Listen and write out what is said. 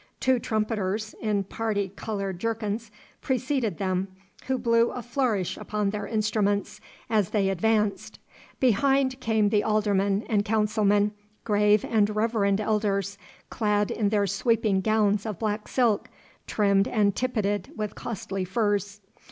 Two trumpeters in parti coloured jerkins preceded them, who blew a flourish upon their instruments as they advanced. Behind came the aldermen and councilmen, grave and reverend elders, clad in their sweeping gowns of black silk, trimmed and tippeted with costly furs.